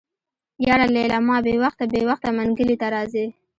يره ليلما بې وخته بې وخته منګلي ته راځي.